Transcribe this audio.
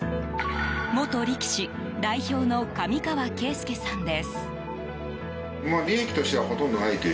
元力士、代表の上川さんです。